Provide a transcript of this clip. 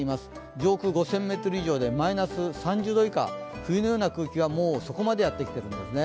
上空５０００ｍ以上ではマイナス３０度以下冬のような空気はもうそこまでやってきてるんですね。